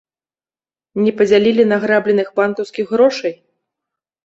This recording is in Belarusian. Не падзялілі награбленых банкаўскіх грошай?